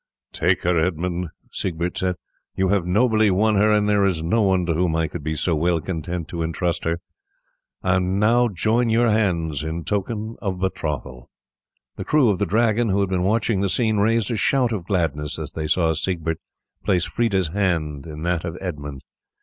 "Take her, Edmund," Siegbert said; "you have nobly won her, and there is no one to whom I could be so well content to intrust her. I now join your hands in token of betrothal." The crew of the Dragon, who had been watching the scene, raised a shout of gladness as they saw Siegbert place Freda's hand in that of Edmund.